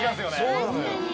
そうなのよ。